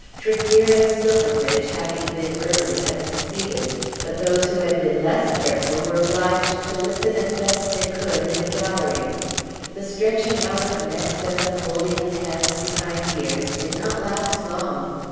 Tregear and Silverbridge having been early had succeeded, but those who had been less careful were obliged to listen as best they could in the galleries. The stretching out of necks and the holding of hands behind the ears did not last long.